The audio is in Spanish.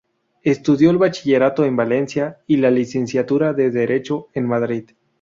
Estudió el bachillerato en Valencia y la licenciatura de Derecho en Madrid.